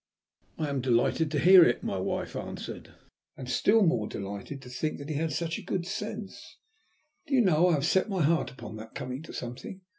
"I am delighted to hear it," my wife answered. "And still more delighted to think that he has such good sense. Do you know, I have set my heart upon that coming to something.